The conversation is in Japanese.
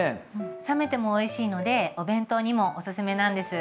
冷めてもおいしいのでお弁当にもおすすめなんです。